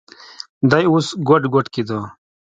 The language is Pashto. دى اوس ګوډ ګوډ کېده.